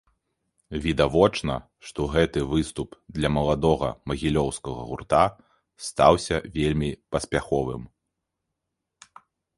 Відавочна, што гэты выступ для маладога магілёўскага гурта стаўся вельмі паспяховым.